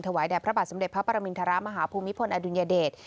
ถวายแด่พระบาทสำเร็จพระปรมินทรมาหาภูมิพลอดุญเดช